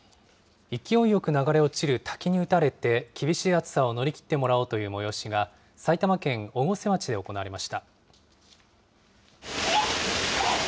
勢いよく流れ落ちる滝に打たれて、厳しい暑さを乗り切ってもらおうという催しが、埼玉県越生町で行われました。